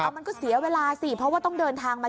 มันก็เสียเวลาสิเพราะว่าต้องเดินทางมา